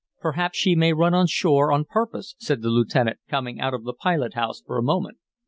"Perhaps she may run on shore on purpose," said the lieutenant, coming out of the pilot house for a moment.